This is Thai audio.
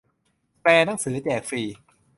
แปลหนังสือแจกฟรี